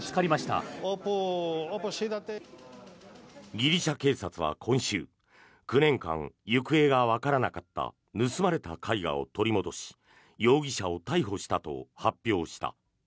ギリシャ警察は今週９年間行方がわからなかった盗まれた絵画を取り戻し容疑者を逮捕したと発表した。